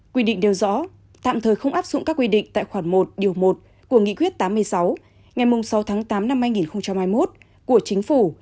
quy định nêu rõ tạm thời không áp dụng các quy định tại khoản một điều một của nghị quyết tám mươi sáu ngày sáu tháng tám năm hai nghìn hai mươi một của chính phủ